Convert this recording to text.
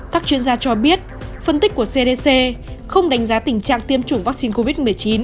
các chuyên gia cho biết phân tích của cdc không đánh giá tình trạng tiêm chủng vaccine covid một mươi chín